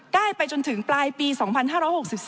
ได้ไปจนถึงปลายปี๒๕๖๔